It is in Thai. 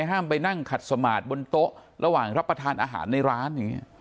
ห้ามไปนั่งขัดสมาร์ทบนโต๊ะระหว่างรับประทานอาหารในร้านอย่างนี้